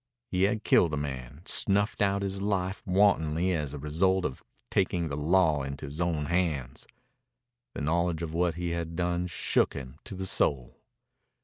He had killed a man, snuffed out his life wantonly as a result of taking the law into his own hands. The knowledge of what he had done shook him to the soul.